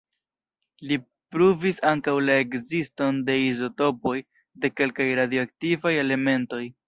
Li pruvis ankaŭ la ekziston de izotopoj de kelkaj radioaktivaj elementoj.